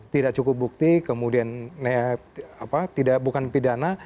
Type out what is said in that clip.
tidak cukup bukti kemudian bukan pidana